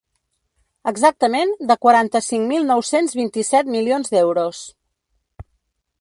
Exactament de quaranta-cinc mil nou-cents vint-i-set milions d’euros.